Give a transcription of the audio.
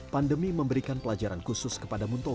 pandemi memberikan pelajaran khusus kepada munto